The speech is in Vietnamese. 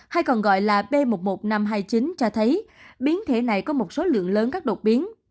hay còn gọi là b một một năm trăm hai mươi chín cho thấy biến thể này có một số lượng lớn các đột biến